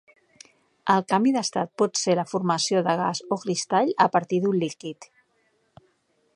El canvi d'estat pot ser la formació de gas o cristall a partir d'un líquid.